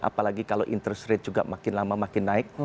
apalagi kalau interest rate juga makin lama makin naik